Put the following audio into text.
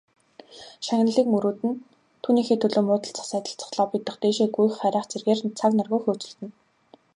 Шагналыг мөрөөднө, түүнийхээ төлөө муудалцах, сайдалцах, лоббидох, дээшээ гүйх харайх зэргээр цаг наргүй хөөцөлдөнө.